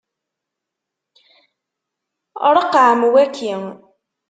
Ṛeqqɛem waki.